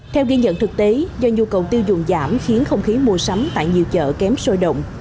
theo ghi nhận thực tế do nhu cầu tiêu dùng giảm khiến không khí mua sắm tại nhiều chợ kém sôi động